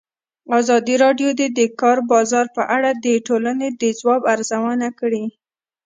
ازادي راډیو د د کار بازار په اړه د ټولنې د ځواب ارزونه کړې.